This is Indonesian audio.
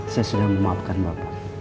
saya sudah memaafkan bapak